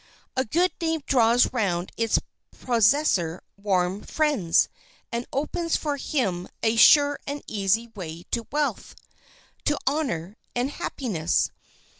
A good name draws round its possessor warm friends, and opens for him a sure and easy way to wealth, to honor, and happiness.